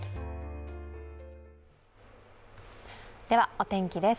お天気です。